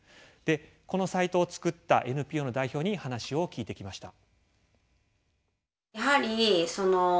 このサイトを作ったＮＰＯの代表に話を聞いてきました。